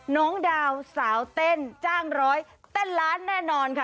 น้องดาวสาวเต้นจ้างร้อยเต้นล้านแน่นอนค่ะ